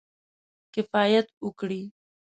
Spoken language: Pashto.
کفایت وکړي.